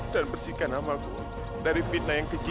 dan bersihkan namaku dari fitnah yang keji